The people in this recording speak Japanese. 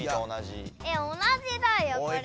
え同じだよこれ。